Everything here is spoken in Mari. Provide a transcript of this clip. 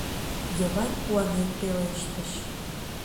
— Йыван куанен пелештыш.